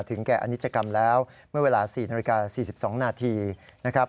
แก่อนิจกรรมแล้วเมื่อเวลา๔นาฬิกา๔๒นาทีนะครับ